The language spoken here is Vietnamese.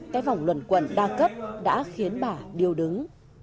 cái vòng luận quận đa cấp đã khiến bà điều đứng